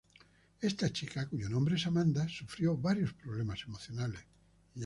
Esta chica, cuyo nombre es Amanda, sufrió varios problemas emocionales.